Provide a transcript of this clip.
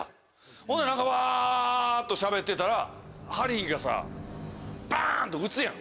ほんで何かわっとしゃべってたらハリーがさバン！と打つやん。